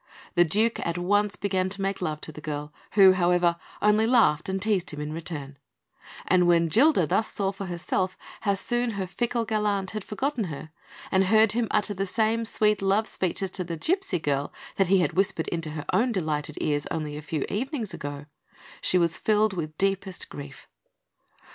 The Duke at once began to make love to the girl, who, however, only laughed and teased him in return; and when Gilda thus saw for herself how soon her fickle gallant had forgotten her, and heard him utter the same sweet love speeches to the gipsy girl that he had whispered into her own delighted ears only a few evenings ago, she was filled with deepest grief.